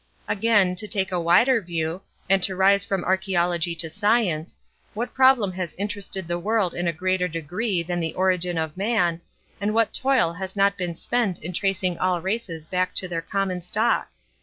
Again, to take a wider view, and to rise from archaeology to science, what problem has interested the world in a greater degree than the origin of man, and what toil has not been spent in tracing all races back to their common stock?